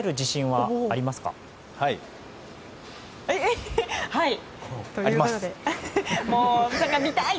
はい。